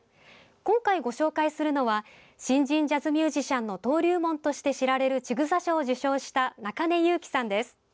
今回ご紹介するのは新人ジャズミュージシャンの登竜門として知られるちぐさ賞を受賞した中根佑紀さんです。